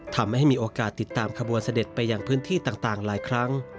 ทำให้มีโอกาสติดตามขบวนเสด็จไปอย่างพื้นที่ต่างหลายครั้ง